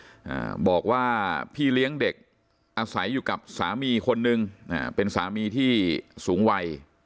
อ่าบอกว่าพี่เลี้ยงเด็กอาศัยอยู่กับสามีคนนึงอ่าเป็นสามีที่สูงวัย